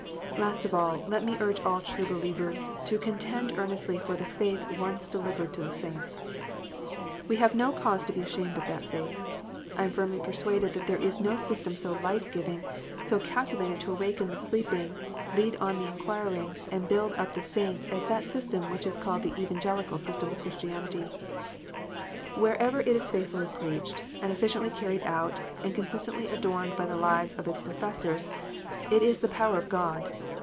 (6) Last of all, let me urge all true believers to contend earnestly for the faith once delivered to the saints. We have no cause to be ashamed of that faith. I am firmly persuaded that there is no system so life giving, so calculated to awaken the sleeping, lead on the inquiring, and build up the saints, as that system which is called the Evangelical system of Christianity. Wherever it is faithfully preached, and efficiently carried out, and consistently adorned by the lives of its professors, it is the power of God.